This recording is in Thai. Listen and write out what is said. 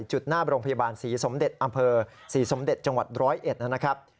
หน้าโรงพยาบาลศรีสมเด็จอำเภอศรีสมเด็จจังหวัด๑๐๑นะครับ